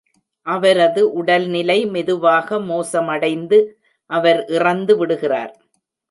அவரது உடல்நிலை மெதுவாக மோசமடைந்து, அவர் இறந்து விடுகிறார்.